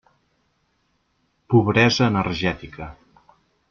Pobresa energètica.